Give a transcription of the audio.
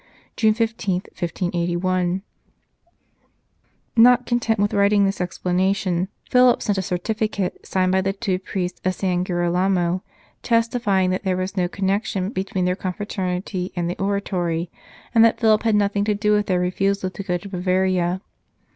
June 15, 1581." 196 Passing Clouds Not content with writing this explanation, Philip sent a certificate, signed by the two priests of San Girolamo, testifying that there was no connection between their confraternity and the Oratory, and that Philip had nothing to do with their refusal to go to Bavaria.